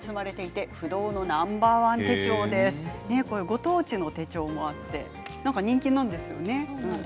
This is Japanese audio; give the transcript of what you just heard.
ご当地の手帳もあって人気なんですよね。